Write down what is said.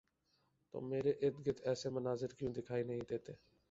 تو میرے ارد گرد ایسے مناظر کیوں دکھائی نہیں دیتے؟